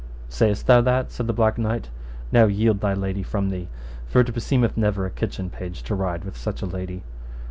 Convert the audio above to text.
Sayest thou that? said the Black Knight, now yield thy lady from thee, for it beseemeth never a kitchen page to ride with such a lady.